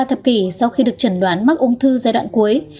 moraitis sống thêm được ba thập kỷ sau khi được chẩn đoán mắc ung thư giai đoạn cuối